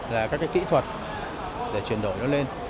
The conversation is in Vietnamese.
là các cái kỹ thuật để chuyển đổi nó lên